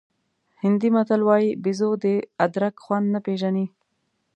هندي متل وایي بېزو د ادرک خوند نه پېژني.